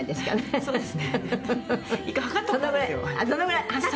「そうですね」